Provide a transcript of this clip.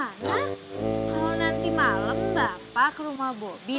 kalau nanti malam bapak ke rumah bobi